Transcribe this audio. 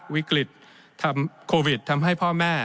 วิกฤตทำโควิดทำให้พ่อแม่